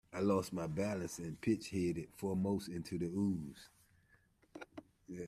I lost my balance and pitched head foremost into the ooze.